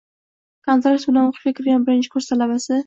“kontrakt” bilan o’qishga kirgan birinchi kurs talabasi